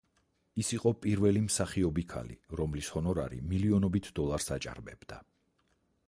ის იყო პირველი მსახიობი ქალი, რომლის ჰონორარი მილიონობით დოლარს აჭარბებდა.